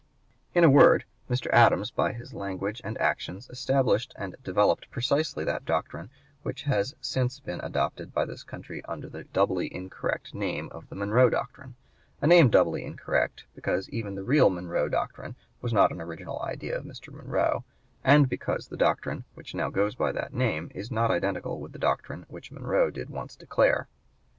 In a word, Mr. Adams, by his language and actions, established and developed precisely that doctrine which has since been adopted by this country under the doubly incorrect name of the "Monroe Doctrine," a name doubly incorrect, because even the real "Monroe Doctrine" was not an original idea of Mr. Monroe, and because the doctrine which now goes by that name is not identical with the doctrine which Monroe did once declare.